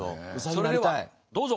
それではどうぞ。